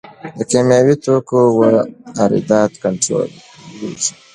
د کیمیاوي توکو واردات کنټرولیږي؟